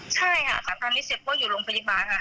ใช่ค่ะซักครั้งนี้เชฟว่าอยู่หลวงศาลพยาบาลค่ะ